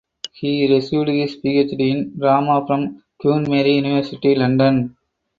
He received his PhD in drama from Queen Mary University London.